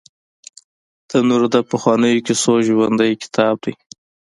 تنور د پخوانیو کیسو ژوندي کتاب دی